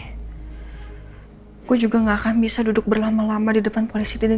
aku juga gak akan bisa duduk berlama lama di depan polisi ini